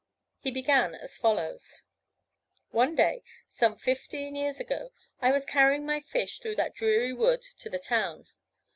He began as follows: "One day, some fifteen years ago, I was carrying my fish through that dreary wood to the town.